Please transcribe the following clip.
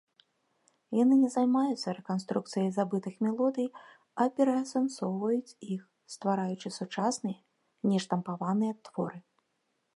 Яны не займаюцца рэканструкцыяй забытых мелодый, а пераасэнсоўваюць іх, ствараючы сучасныя, нештампаваныя творы.